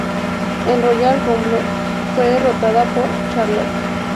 En Royal Rumble, fue derrotada por Charlotte.